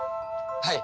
はい。